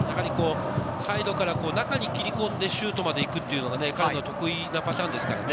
サイドから中に切り込んでシュートまで行くというのが彼の得意なパターンですからね。